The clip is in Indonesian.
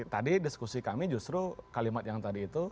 tadi diskusi kami justru kalimat yang tadi itu